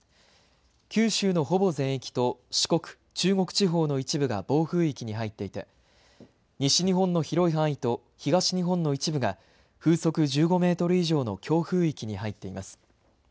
九州のほぼ全域と四国、中国地方の一部が暴風域に入っていて西日本の広い範囲と東日本の一部が風速１５メートル以上の強風域に入っています。